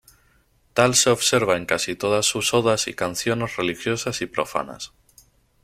Tal se observa en casi todas sus odas y canciones religiosas y profanas.